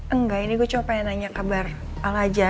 enggak ini gue cuma pengen nanya kabar al aja